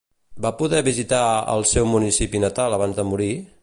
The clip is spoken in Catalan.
Va poder visitar al seu municipi natal abans de morir?